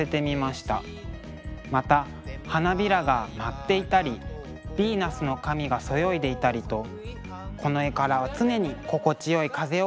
また花びらが舞っていたりヴィーナスの髪がそよいでいたりとこの絵からは常に心地よい風を感じますね。